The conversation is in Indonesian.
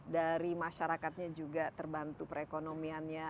dari masyarakatnya juga terbantu perekonomiannya